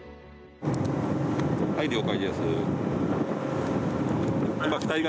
はい、了解です。